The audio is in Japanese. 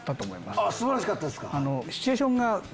素晴らしかったですか。